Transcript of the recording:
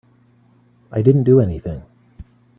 I didn't do anything.